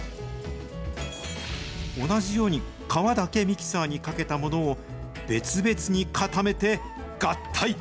同じように皮だけミキサーにかけたものを、別々に固めて合体。